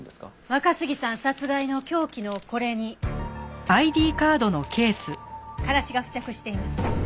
若杉さん殺害の凶器のこれにカラシが付着していました。